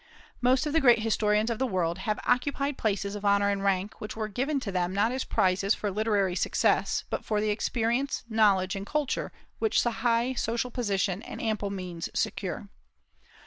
Most of the great historians of the world have occupied places of honor and rank, which were given to them not as prizes for literary successes, but for the experience, knowledge, and culture which high social position and ample means secure.